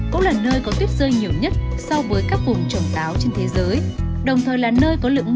cũng là nơi có tuyết rơi nhiều nhất so với các vùng trồng táo